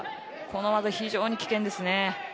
この技は非常に危険です。